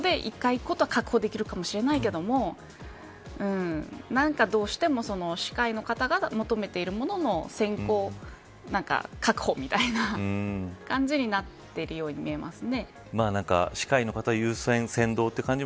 だから取りあえずそこで一回確保できるかもしれないけどどうしても歯科医の方が求めているものの先行、確保みたいな感じになっているように見えますね。